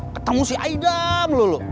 ketemu si aida melulu